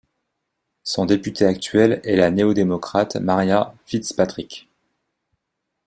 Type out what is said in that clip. Son député actuel est la Néo-démocrate Maria Fitzpatrick.